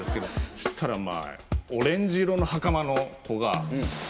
そしたらまぁオレンジ色のはかまの子が。